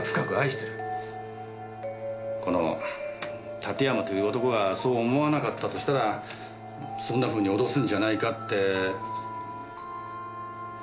この館山という男がそう思わなかったとしたらそんな風に脅すんじゃないかって想像しただけです。